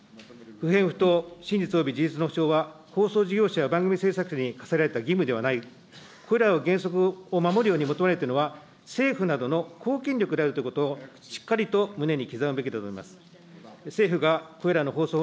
不偏不党、真実および自律の保障は放送事業者や番組制作者に課せられた義務ではない、これらの原則を守るように求められているのは、政府などの公権力であることをしっかりと胸に刻むべきだと思います。